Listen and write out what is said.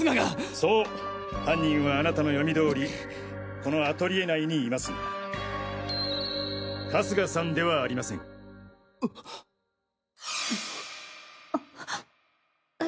そう犯人はあなたの読み通りこのアトリエ内にいますが春日さんではありません。え！？え。